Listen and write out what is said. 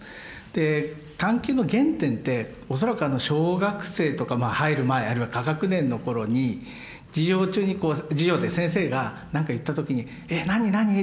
で探究の原点って恐らく小学生とか入る前あるいは下学年の頃に授業中にこう授業で先生が何か言った時に「えっ何？何？」